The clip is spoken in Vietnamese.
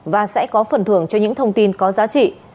và sẽ có phần thưởng cho những thông tin có giá trị